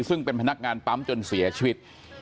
ซึ่งเป็นพนักงานปั๊มจนเสียชีวิต